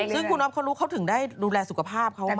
ซึ่งคุณอ๊อฟเขารู้เขาถึงได้ดูแลสุขภาพเขา